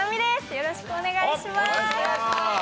よろしくお願いします。